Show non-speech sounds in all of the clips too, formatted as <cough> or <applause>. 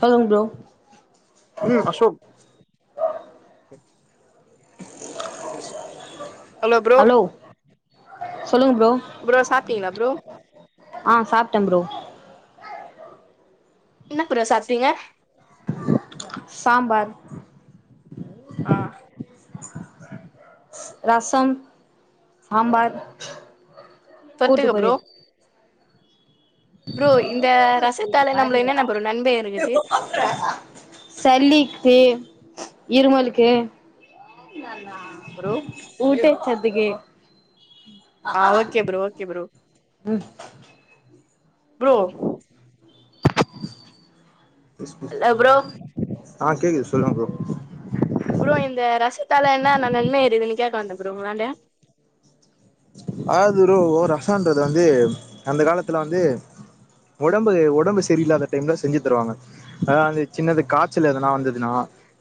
சொல்லுங் ப்ரோ ம் அசோக் <unintelligible> ஹலோ சொல்லுங்க ப்ரோ ப்ரோ சாப்ட்டீங்களா ப்ரோ ஆ சாப்ட்டே ப்ரோ என்ன ப்ரோ சாப்ட்டீங்க சாம்பார் ஆ ரசம் சம்பார் தொட்டுக்க ப்ரோ ப்ரோ இந்த ரசத்தால பா நம்மள என்னென்ன ப்ரோ நன்மை இருக்குது சள்ளிக்கு இருமலுக்கு ம் ந நா அப்பரோ ஊட்டச்சத்துக்கெ ஆ ஓகே ப்ரோ ஓகே ப்ரோ ம் ப்ரோ இல்ல ப்ரோ ஆ கேக்குது சொல்லுங்க ப்ரோ ப்ரோ இந்த ரசத்தால ன்ன நா நன்மை இருதுன்னு கேக்க வந்த ப்ரோ உங்களான்ட அதாவது ப்ரோ ரசன்றது வந்து அந்த காலத்துல வந்து உடம்பு உடம்பு செரியில்லாத டைம்ல செஞ்சு தருவாங்க அதான்ந்த சின்னது காய்ச்சல் எதனா வந்ததுன்னா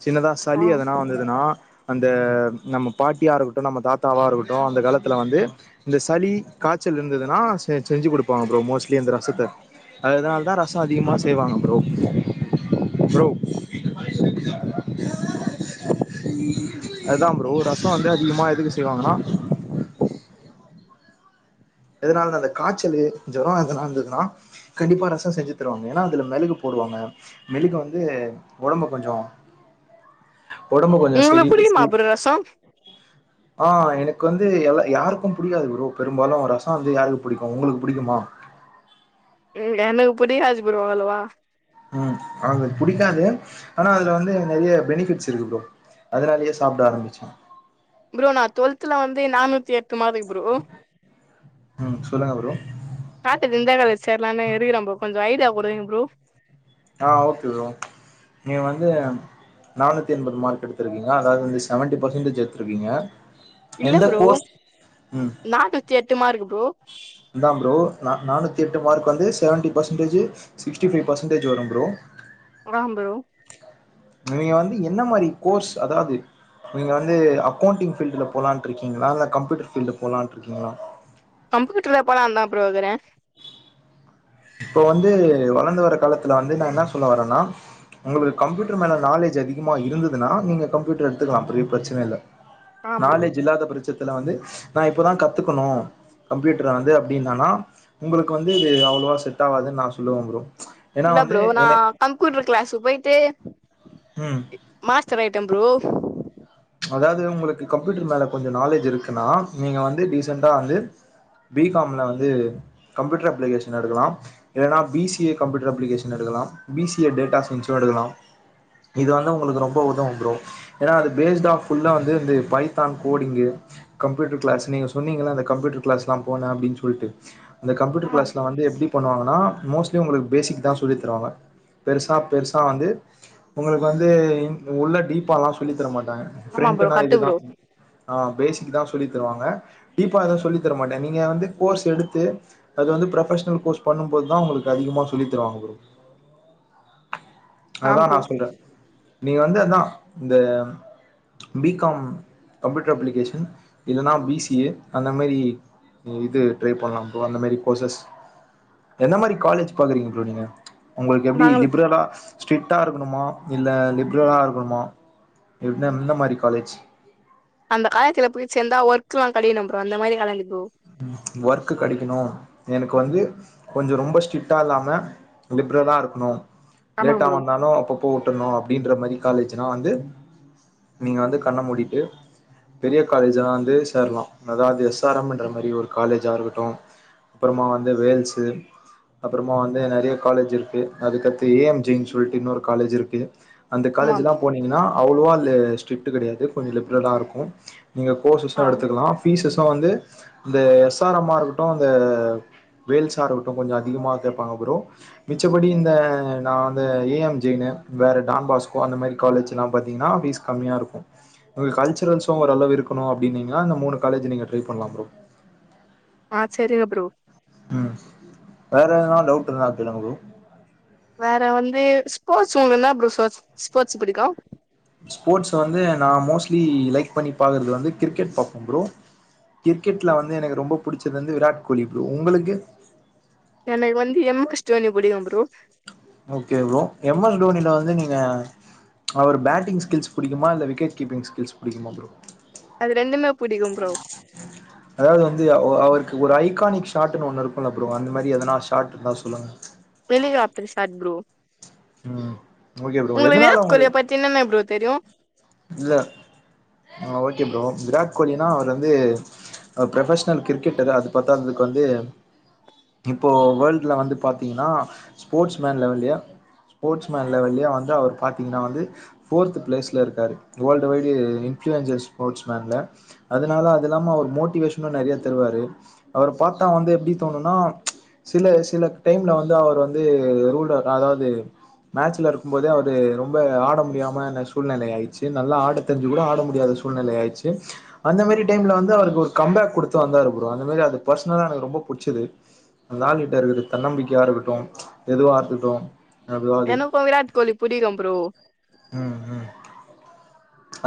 சின்னதா சளி எதனா வந்ததுன்னா அந்த நம்ம பாட்டியா இருக்கட்டு நம்ம தாத்தாவாக இருக்கட்டு அந்த காலத் துல வந்து இந்த சளி காய்ச்சல் இருந்ததுனா செ செஞ்சு குடுப்பாங்க ப்ரோ மோஸ்ட்லி அந்த ரசத்த அதனால தா ரசோஅதிகமா செய்வாங்க ப்ரோ ப்ரோ அதுதா ப்ரோ ரசோ வந்து அதிகமா எதுக்கு செய்வாங்கனா எதனால அந்த காய்ச்சலு ஜொரோ எதனா இருந்ததுனா கண்டிப்பா ரச செஞ்சு தருவாங்க ஏனா அதுல மெளகு போடுவாங்க மெளுகு வந்து உடம்பு கொஞ்சோ உடம்பு கொஞ்சோ செரி ரசம் ஆ எனக்கு வந்து எல்லா யாருக்கு புடிக்காது ப்ரோ பெரும்பாலு ரசோ வந்து யாருக்கு புடிக்கு உங்ளுக்கு புடிக்குமா ம் எனக்கு புடிக்காது ப்ரோ அவ்ளவா ம் அது புடிக்காது ஆனா அதுல வந்து நெறைய பெனிபிட்ஸ் இருக்கு ப்ரோ அதனாலேயே சாப்பிட ஆரம்பிச்சே ப்ரோ நா டுவெல்த்துல வந்து நானூத்தி எட்டு மாருக் ம் சொல்லுங்க ப்ரோ பாத்துட்டு எந்த காலேஜ் சேர்லாம்னு இருக்கிற ப்ரோ கொஞ்சோ ஐடியா குடுங்க ப்ரோ ஆ ஓகே ப்ரோ நீங்க வந்து நானூத்தி எண்பது மார்க் எடுத்திருக்கீங்க அதாவது வந்து செவன்டி பெர்சன்டேஜ் எடுத்திருக்கீங்க எந்த கோர்ஸ் ம் தி எட்டு மார்க் ப்ரோ அத்தா ப்ரோ நானூத்தி எட்டு மார்க் வந்து செவன்டி பர்சன்டேஜ்ஜு சிக்ஸ்டிஃபை பர்சன்டேஜ் வரு ப்ரோ ஆம் ப்ரோ நீங்க வந்து என்ன மாரி கோர்ஸ் அதாவ்து நீங்க வந்து அக்கௌண்டிங் பீல்ட்ல போலான்னு ருக்கீங்ளா இல்ல கப்யூட்டர் ஃபீல்டுல போலான்ட்டு ருக்கீங்ளா கம்யூட்டர்ல போலந்தா ப்ரோ கிறே இப்ப வந்து வளந்து வர்ற காலத்துல வந்து நா ன்னா சொல்ல வரன்னா உங்களுக்கு கம்ப்யூட்டர் மேலே நாலேஜ் அதிகமாக இருந்ததுனா நீங்க கம்ப்யூட்டர் எடுத்துக்கலா ப்பெரிய பிரச்சன இல்ல ஆ ப்ரோ நாலேஜ் இல்லாத ப்ரச்சத்துல வந்து நா இப்பதா கத்துக்கணு கம்ப்யூட்டர் வந்து அப்டின்னான்னா உங்களுக்கு வந்து இது அவ்ளோவா செட் ஆவாதுன் நா சொல்லுவம்ப்ரோ இல்லாப்ரோ நா கம்ப்குயூட்டர் க்ளாஸ்ஸு போயிட்டு ம் மாஸ்டர் ஆயிட்ட ப்ரோ அதாவது உங்களுக்கு கம்ப்யூட்டர் மேல கொஞ்ச நாலேஜ் இருக்குன்னா நீங்க வந்து டீசெண்ட்டா வந்து பி கம்ல வந்து கம்ப்யூட்டர் அப்ளிகேஷன் எடுக்கலாம் இல்லன்னா B C A computer application எடுக்கலாம் பி சி ஏ டேட்டா சயின்ஸும் எடுக்கலாம் இது வந்து உங்களுக்கு ரொம்ப உதவம் ப்ரோ ஏன்னா அது வேஸ்டா ஃபுல்லா வந்து இந்த பைத்தான் கோடிங்கு கம்ப்யூட்டர் கிளாஸ் நீங்க சொன்னீங்கன்ன அ இந்த கம்ப்யூட்டர் கிளாஸ்லாம் போனே அப்டின்னு சொல்ட்டு அந்த கம்யூட்டர் ஆமா கிளாஸ்ல ப்ரோ வந்து எப்படி பண்ணிவாங்கன்னா மோஸ்ட் உங்களுக்கு பேசிக் தா சொல்லி தருவாங்க பெருசா பெருசா வந்து உங்களுக்கு வந்து உள்ள டீப்பால்லா சொல்லி தர மாட்டாங்க ஆமா ப்ரோ பிரெண்ட்னா கட்டு இதுதா ப்ரோ ஆ பேசிக் தா சொல்லி தருவாங்க டீப்பா எது சொல்லி தரமாட்டே நீங்க வந்து கோர்ஸ் எடுத்து அது வந்து ப்ரொபஷனல் கோர்ஸ் பண்ணு போதுதா உங்களுக்கு அதிகமா சொல்லி தருவங்க புரோ ஆ அதா நா ப்ரோ சொல்றே நீங்க வந்து அதா இந்த பி காம் கம்ப்யூட்டர் அப்ளிகேஷன் இல்லன்னா பி சி ஏ அந்த மாரி நீ இது ட்ரை பண்ணலா ப்ரோ அந்த மாரி கோர்ஸ்சஸ் எந்த மாரி காலேஜ் பாக்குறீங்க புரோ நீங்க உங்களுக்கு எப்டி நாங்களு லிபரலா ஸ்ட்ரிட்டா இருக்கணுமா இல்ல லிபரலா இருக்கணுமா இல்ல எந்த மாரி காலேஜ் அந்த காலேஜ்லா போய் சேந்தா ஒர்க்லா கெடைக்கனு புரோ அந்த மாரி காலேஜ் புரோ ஒர்க்கு கெடைக்கணு எனக்கு வந்து கொஞ்சோ ரொம்ப ஸ்ட்ரிட்டா இல்லாம லிபரலா இருக்கணு ஆமா லேட்டா ப்ரோ வந்தாலு அப்ப போட்டணு அப்டின்ற மாரி காலேஜன்னா வந்து நீங்க வந்து கண்ண மூடிட்டு பெரிய காலேஜ்லா வந்து சேரலா அதாது எஸ் ஆர் ம் மாரி ஒரு காலேஜா இருக்கட்டு அப்புறமா வந்து வேல்ஸ் அப்புறமா வந்து நெறைய காலேஜ் இருக்கு அதுக்கடுத்து ஏ எம் ஜி ன்னு சொல்ட்டு இன்னொரு காலேஜ் இருக்கு அந்த ஆமா காலேஜ்லா போனீங்கன்னா அவ்லோவா ஸ்ட்ரிட்டு கெடையாது கொஞ்ச லிப்ரலா இருக்கு நீங்க ஆ கோர்சாசும் எடுத்துக்கலா பீஸ்ஸ் வந்து இந்த எஸ் ஆர் எம் ஆ இருக்கட்டு அ வேல்சா இருக்கட்டு கொஞ்ச அதிகமாக கேபாங்க புரோ மிச்சப்படி இந்த நான் வந்து ஏ எம் ஜெயின்னு வேற டான் பாஸ்கோ அந்த மாதிரி காலேஜ்லா பாத்தீங்கன்னா பீஸ் கம்மியா இருக்கு கல்ச்சரல்ஸ்சு ஓரளவு இருக்கணு அப்படின்னீங்கன்னா அந்த மூணு காலஜ் நீங்க ட்ரை பண்ணலா புரோ ஆ சேரிங்க புரோ ம் வேற எதனால டவுட் இருந்தா கேளுங்க புரோ வேற வந்து ஸ்போர்ட்ஸ் உங்கனா புரோ ஸ்போர்ட்ஸ் புடிக்கு ஸ்போர்ட்ஸ வந்து நா மோஸ்ட்லி லைக் பண்ணி பாக்கறது வந்து கிரிக்கெட் பாப்பே புரோ கிரிக்கெட்ல வந்து எனக்கு ரொம்ப புடிச்சது வந்து விராட் கோலி புரோ உங்களுக்கு எனக்கு வந்து எம் எஸ் தோணி பிடிக்கு bro okay bro M S தோணில வந்து நீங்க அவரு பேட்டிங் ஸ்கில்ஸ் புடிக்குமா இல்ல விக்கெட் கீப்பிங் ஸ்கில்ஸ் பிடிகுமா புரோ அது ரெண்டுமே பிடிக்கு புரோ அதாவது வந்து அவருக்கு ஒரு ஐக்கானிக் ஷாட்னு ஒன்னு இருக்கும்ல புரோ அந்த மாரி எதனா ஷாட் இருந்தா சொல்லுங்க <unintelligible> சாட் புரோ ம் ஓகே புரோ எதனால உங்களுக்கு என்னனா புரோ தெரியு இல்ல அ ஓகே புரோ விராட் கோலினா அவரு வந்து ப்ரொபஷனல் கிரிக்கெட்டரு அது பத்தாதுக்கு வந்து இப்போ வேர்ல்டில்ல வந்து பாத்தீங்கன்னா ஸ்போர்ட்ஸ் மேன் லெவலய ஸ்போர்ச்ன்மேன் லெவலியே வந்து அவரு பாத்திங்கன்னா வந்து ஃபோர்த் பிளேஸில்ல இருக்கு காரு வேர்ல்டு் வய்ல்டு இன்ஃப்ளூயன்சர்ஸ் ஸ்போர்ட்ஸ் மேன்ல அதுனால அதுல்லாம அவுர் மோட்டிவேஷ்ன்னு நறைய தருவாரு அவுர் பாத்தா வந்து எப்டி தோணுனா சில சில டைம்ல வந்து அவுர்வந்து ரூல்டர் அதாவுது மேட்ச்ல இருக்கும்போதே அவுரு ரொம்ப ஆட முடியாம ந சூழ்நிலை ஆயிர் சி நல்லா ஆட தெரிஞ்சு கூட ஆட முடியாத சூழ்நில ஆய்டுச்சு அந்த மாரி டைம்ல வந்து அவருக்கு ஒரு கம்பேக் குடுத்து வந்தாரு ப்ரோ அந்த மாரி அது பர்சனலா எனக் ரொம்ப புடிச்சுது அந்த ஆலுகிட்ட இருக்கர்து தன்னம்பிக்கியா இருக்குட்டு எதுவா ருக்ட்டு எனக்கூ விராட்கோலி புடிக்கும் ப்ரோ ம் ம்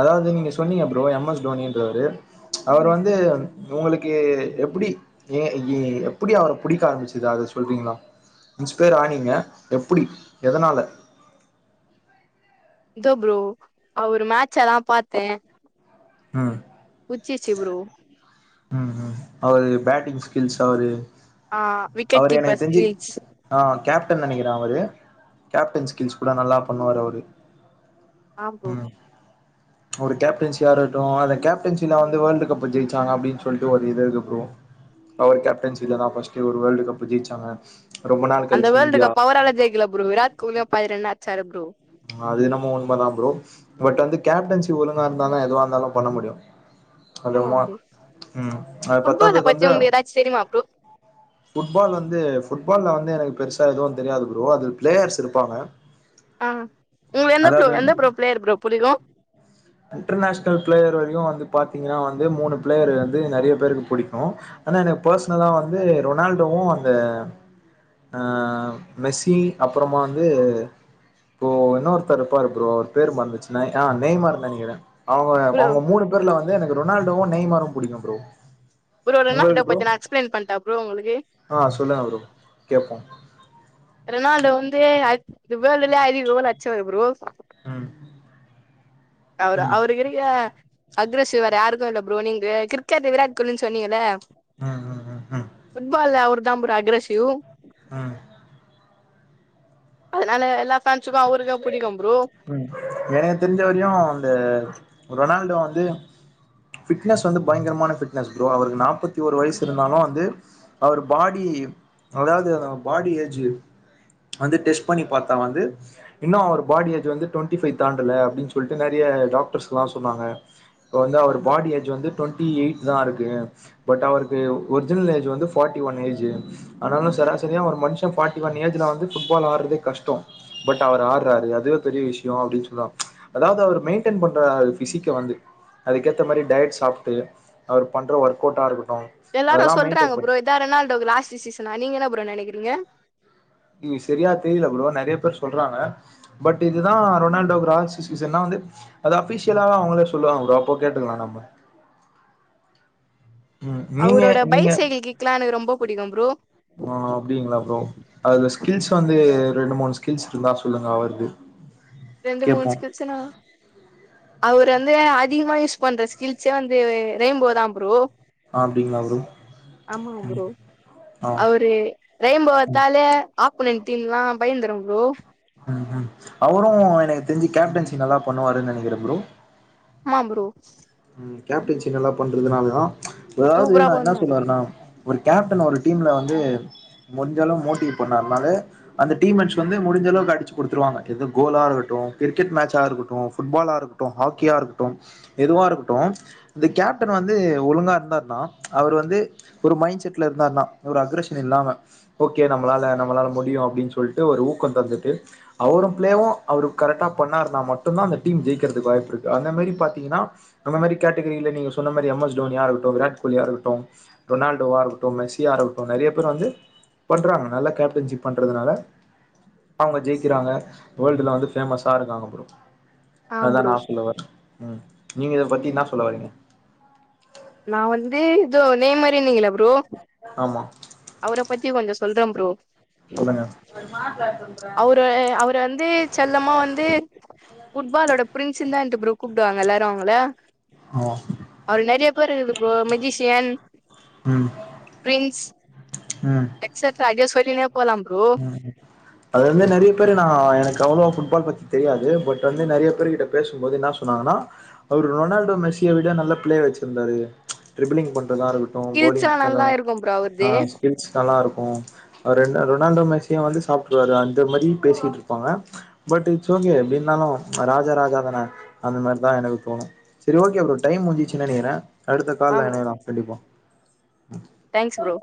அதாவுது நீங்க சொன்னீங்க ப்ரோ எம் எஸ் டோனின்றவர் அவுர் ம் வந்து உங்களுக்கு எப்டி ஏ எப்படி அவர புடிக்க ஆரம்பிச்சது அத சொல்ரிங்கள இன்ஸ்பேர் ஆனிங்க எப்புடி எதனால தோ ப்ரோ அவுரு மேட்ச்சலா பாத்தே ம் புச்சிச்சு ப்ரோ ம் ம் அவுரு பேட்டிங் ஸ்கில்ஸ் அவுரு அ அவர் எனக்தெஞ்சு அ கேப்டன் நெனைக்கிற அவரு கேப்டன் ஸ்கில்ஸ் கூட நல்லா பண்ணுவாரு அவுரு ஆம் ப்ரோ ஒரு கேப்டென்சியாருக்டு அந்த கேப்டென்சில வந்து வேர்ல்டு கப் ஜெய்ச்சாங்க அப்டின் சொல்ட்டு ஒரு இது இருக் ப்ரோ அவுர் கேப்டன்சில தா ஃபர்ஸ்ட்டு ஒரு வேர்ல்டு் கப் ஜெய்ச்சாங்க அந்த வேல்டு் கப் அவரால ஜெயிக்கல ப்ரோ விராட் கோலியு பாதி ரன் அச்சாரு ப்ரோ அது என்னமோ உண்ம தா ப்ரோ பட் அந்து கேப்டன்சி ஒலுங்கா இருந்தா தா எதுவா இருந்தாலு பண்ண முடியு ஆமா அலுமா ப்ரோ ம் அ ஃபுட்பால பத்தாததுக்கு பத்தி வந்து உங்களுக்கு ஏதாச்சு தெரியுமா ப்ரோ ஃபுட்பால் வந்து ஃபுட்பால்ல வந்து எனக்கு பெருசா எதுவு தெரியாது ப்ரோ அதில் பிளேயர்ஸ் இருப்பாங்க அ இவ்ல எந்த ப்ளோ அதாவது எந்த ப்ரோ ப்ளேயர் ப்ரோ புடிக்கு இன்டர்நேஷனல் பிளேயர் வரையு வந்து பாத்தீங்கன்னா வந்து மூணு ப்ளேயர் அந்து நெறைய பேருக்கு புடிக்கு ஆனா எனக் பர்சனலா வந்து ரொனால்டோவு அந்த அ மெஸ்ஸி அப்பறமா அந்து ப்போ இன்னொர்த்தர் ருப்பாரு ப்ரோ அவுர் பேரு மறந்துச்சு நெய் ஆ நெய்மாற் நென கிற அவுங்க ப்ரோ அவுங்க மூணு பேர்ல வந்து எனக்கு ரொனால்டோவு நெய்மாரு புடிக்கும் ப்ரோ ப்ரோ ரொனால்டோ பத்தி நா எக்ஸ்ப்ளைன் பண்ட்டா ப்ரோ உங்களுக்கு அ சொல்லுங்க ப்ரோ கேப்போ ரொனால்டோ வந்து அதி வேல்டுலே அதிக கோல் அச்சவுரு ப்ரோ ம் அவுரு ம் அவுருக்கிருக்க அக்ரஸிவ் வேற யாருக்கு இல்ல ப்ரோ நீங்க கிர்க்கெட் விராட் கோலின்னு சொன்னீங்கள அ அ அ அ ஃபுட்பால்ல அவுர் தாம்ப்ரோ அக்ரசிவ் அ அதுனால எல்லா ஃபேண்ட்ஸுக்கு அவுருக்கு புடிக்கும்ப்ரோ ம் எனக் தெரிஞ்ச வரையு அந்த ரொனால்டோ வந்து ஃபிட்னஸ் வந்து பயங்கரமான ஃபிட்னஸ் ப்ரோ அவருக்கு நாப்பத்திஓரு வயசு இருந்தாலு அந்து அவுர் பாடி அதாது பாடி ஏஜ் அந்து டெஸ்ட் பண்ணி பாத்தா வந்து இன்னு அவர் பாடி ஏஜ் வந்து டுவெண்டிஃபைவ் தாண்டல அப்டின்னு சொல்லிட்டு நெறைய டாக்டர்ஸ்ல்லா சொன்னாங்க இப்போ வந்து அவர் பாடி ஏஜ் வந்து டுவெண்ட்டி எயிட் தா இருக்கு பட் அவருக்கு ஒரிஜினல் ஏஜ் வந்து ஃபார்ட்டி ஒன் ஏஜ்ஜு ஆனாலு சராசரியா ஒரு மனுஷன் ஃபார்ட்டி ஒன் ஏஜ்ல வந்து ஃபுட்பால் ஆட்றது கஷ்டோ பட் அவர் ஆடுறாரு அதுவே பெரிய விஷயோ அப்டின்னு சொல்வா அதாவது அவர் மெயின்டெயின் பண்றாரு அ பிசிக்க வந்து அதுக்கேத்த மாரி டயட் சாப்ட்டு அவர் பண்ற ஒர்க்கவுட்டா இருக்கட்டு எல்லாரு அதெல்லா மெயின்டென் சொல்றாங்க பண் ப்ரோ இதா ரொனால்டோகு லாஸ்ட்டு சீசனா நீங்க என்ன ப்ரோ நெனைக்கிறீங்க இங்க சரியா தெரில ப்ரோ நெறைய பேர் சொல்றாங்க பட்டு இதுதா ரொனால்டோகு லாஸ்ட்டு சீசன்னா வந்து அது அஃபிஷியலாதா அவங்களே சொல்லுவாங்க ப்ரோ அப்போ கேட்டுக்குளா நம்ம ம் நீங்க அவரோட நீங்க பைசைக்கள் கிக்குலா எனக்கு ரொம்ப புடிக்கு ப்ரோ ஆ அப்டிங்களா ப்ரோ அதுல ஸ்கில்ஸ் வந்து ரெண்டு மூணு ஸ்கில்ஸ் இருந்தா சொல்லுங்க அவர்து ரெண்டு மூணு ஸ்கில்ஸுனா அவர் வந்து அதிகமா யூஸ் பண்ற ஸ்கில்ஸே வந்து ரெயின்போ தா ப்ரோ அப்டிங்களா ப்ரோ ஆமாங்க ப்ரோ ஆ அவரு ரெயின்போ எத்தாலே ஆப்பொனன்ட் டீம்லா பயந்துரு ப்ரோ ம் ம் அவரு எனக்கு தெரிஞ்சு கேப்டன்சி நல்லா பண்ணுவாருன்னு நெனைக்கிற ப்ரோ ஆ ப்ரோ ம் கேப்டன்சி நல்லா பண்றதுனால்தா அதாவது சூப்பரா நா என்ன சொல்ல பண்ணுவாரு ப்ரோ வரன்னா ஒரு கேப்டன் ஒரு டீம்ல வந்து முடிஞ்சளவு மோட்டிவ் பண்ணார்னாலே அந்த டிம் மேட்ஸ் வந்து முடிஞ்சளவுக்கு அடிச்சு குடுத்துறுவாங்க இது கோலா இருக்கட்டு கிரிக்கெட் மாட்ச்சா இருட்டு ஃபுட்பால இருக் டு ஹாக்கியா இருக்கட்டு எதுவா இருக் டு இந்த கேப்டன் வந்து ஒழுங்கா இருந்தாருனா அவர் வந்து ஒரு மைண்ட் செட்ல இருந்தாருன்னா ஒரு அக்ரஷன் இல்லாம ஓகே நம்மளால நம்மளால முடியு அப்டின்னு சொல்ட்டு ஒரு ஊக்கொ தந்துட்டு அவரூ பிளேவு அவரு கரெக்டா பண்ணாருன்னா முட்டுதா அந்த டீம் ஜெய்க்கிறதுக்கு வாய்ப்பிருக்கு அந்த மாரி பாத்தீங்கன்னா அந்த மாரி கேட்டகிரில நீங்க சொன்ன மாரி எம் எஸ் தோனியா இருக்கட்டு விராட் கோலிய இருக்கட்டு ரோனால்டோவா இருக்கட்டு மெஸியாா இருக்கட்டு நெறைய பேர் வந்து பண்றாங்க நல்ல கேப்டன்ஸி பண்றதுனால அவங்க ஜெயிக்கிறாங்க வேல்டுல வந்து ஃபேமஸா இருக்காங்க ப்ரோ ஆ அதா ப்ரோ நா சொல்ல வரே ம் நீங்க இத பத்தி இன்னா சொல்ல வரீங்க நா வந்து இதோ நெய்மரு நீங்களே ப்ரோ ஆமா அவர பத்தி கொஞ்ச சொல்றே ப்ரோ சொல்லுங்க அது மாத்தாத்துு <unintelligible> அவரு அவரு வந்து செல்லமா வந்து ஃபுட்பாலோட பிரின்சு தான்ட்டு ப்ரோ கூப்டுவாங்க எல்லாரு அவங்கள ஓ அவரு நெறைய பேர் இருக்குது ப்ரோ மெஜிஷியன் ம் பிரின்ஸ் ம் எக்ஸட்ரா அடியே சொல்லினே போலா ப்ரோ <unintelligible> அது வந்து நெறைய பேரு நான் எனக்கு அவுளவா ஃபுட்பால் பத்தி தெரியாது பட் வந்து நெறைய பேருகிட்ட பேசும்போது என்ன சொன்னாங்கனா அவரு ரொனால்டோ மெஸ்ஸிய விட நல்ல பிளே வச்சிர்ந்தாரு ட்ருபுளிங் பண்றதா இருகு ட்டு போடிங் ஸ்கில்ஸ்லா அதா நல்லா இருக்கும் ப்ரோ அ அவருது ஸ்கில்ஸ் நல்லா இருக்கு அது ரெண்டு ரொ னால்டோ மெஸ்ஸிய வந்து சாப்ட்டுருவாரு அந்த மாரி பேசிட்டுருப்பாங்க பட் இட்ஸ் ஓகே எப்டினாலு அ ராஜா ராஜாதான அந்த மாரிதா எனக்கு தோணு சரி ஓகே ப்ரோ டைம் முடிஞ்சிச்சு நெனைக்கிற அடுத்த கால்ல ஆமா எனையலா கண்டிப்பா தேங்க்ஸ் ப்ரோ